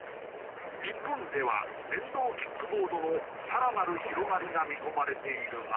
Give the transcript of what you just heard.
日本では電動キックボードの更なる広がりが見込まれているが。